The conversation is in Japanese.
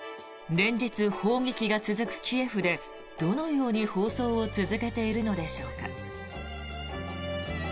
連日、砲撃が続くキエフでどのように放送を続けているのでしょうか。